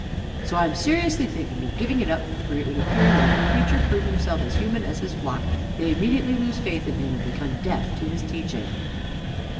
So I am seriously thinking of giving it up, for it would appear that if a preacher prove himself as human as his flock, they immediately lose faith in him, and become deaf to his teaching."